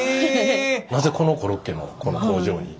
なぜこのコロッケのこの工場に？